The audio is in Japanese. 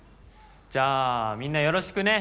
じゃあみんなよろしくね。